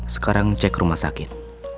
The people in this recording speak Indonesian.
sekarang cek rumah sakit